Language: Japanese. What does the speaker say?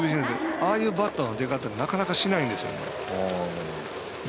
ああいうバットの出方なかなかしないんですよ。